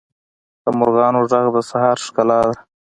د مرغانو ږغ د سهار ښکلا ده.